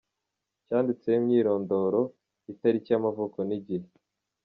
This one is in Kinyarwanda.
cyanditseho imyirondoro, itariki y’amavuko n’igihe.